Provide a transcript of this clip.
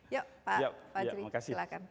ya pak fadzli silakan